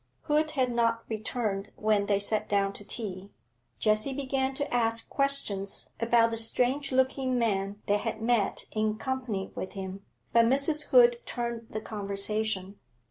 Hood had not returned when they sat down to tea. Jessie began to ask questions about the strange looking man they had met in company with him, but Mrs. Hood turned the conversation.